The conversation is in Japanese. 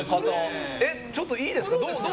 ちょっといいですか？